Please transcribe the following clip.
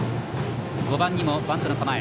５番にもバントの構え。